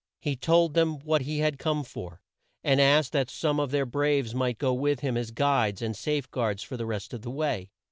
He told them what he had come for, and asked that some of their braves might go with him as guides and safe guards for the rest of the way.